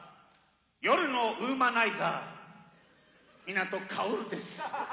夜のウーマナイザー港カヲルです」